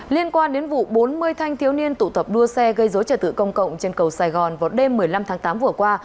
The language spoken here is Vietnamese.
liên quan đến vụ bốn mươi thanh thiếu niên tụ tập đua xe gây dối trả tự công cộng trên cầu sài gòn vào đêm một mươi năm tháng tám vừa qua